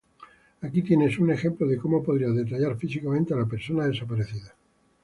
Aquí tienes un ejemplo de cómo podrías detallar físicamente a la persona desaparecida: